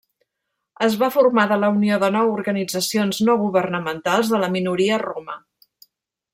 Es va formar de la unió de nou organitzacions no-governamentals de la minoria roma.